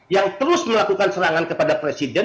yang terus melakukan serangan kepada presiden